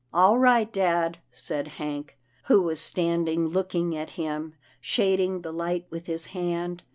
" All right, dad," said Hank, who was stand ing looking at him, shading the light with his hand.